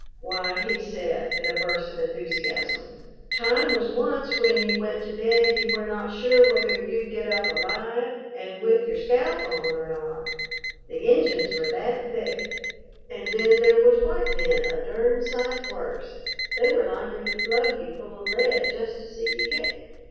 "Why," he said, in a burst of enthusiasm, "time was once when you went to bed you were not sure whether you'd get up alive and with your scalp on or not, the Injins were that thick. And then there was white men a durned sight worse; they were likely to plug you full of lead just to see you kick.